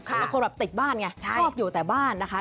บางคนแบบติดบ้านไงชอบอยู่แต่บ้านนะคะ